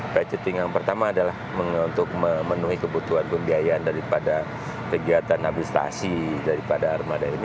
budgeting yang pertama adalah untuk memenuhi kebutuhan pembiayaan daripada kegiatan administrasi daripada armada ini